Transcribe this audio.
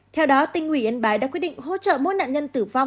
theo đó tỉnh ủy yên bái đã quyết định hỗ trợ mỗi nạn nhân tử vong